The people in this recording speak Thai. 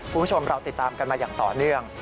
คุณผู้ชมเราติดตามกันมาอย่างต่อเนื่อง